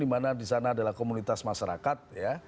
di mana di sana adalah komunitas masyarakat